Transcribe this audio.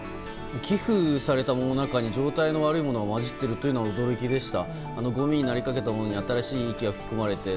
寄付されたものの中に状態の悪いものが交じっているとは驚きでした。